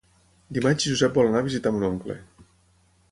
Dimarts en Josep vol anar a visitar mon oncle.